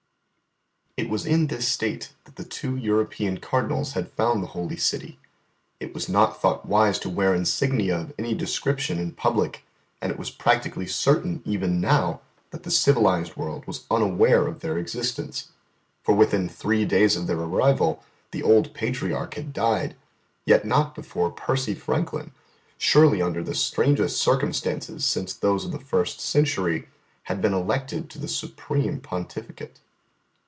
It was in this state that the two European Cardinals had found the Holy City; it was not thought wise to wear insignia of any description in public; and it was practically certain even now that the civilised world was unaware of their existence; for within three days of their arrival the old Patriarch had died, yet not before Percy Franklin, surely under the strangest circumstances since those of the first century, had been elected to the Supreme Pontificate.